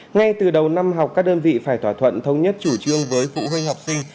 ngay từ đầu năm học các đơn vị phải thỏa thuận thống nhất chủ trương với phụ huynh học sinh